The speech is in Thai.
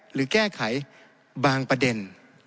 หรือแก้ไขบางประเด็น